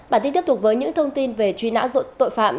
bản tin tiếp tục với những thông tin về truy nã tội phạm